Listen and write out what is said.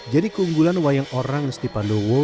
keunggulan wayang orang ngesti pandowo